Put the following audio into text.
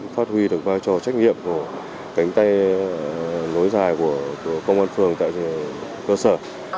phát huy được vai trò trách nhiệm của cánh tay nối dài của công an phường tại cơ sở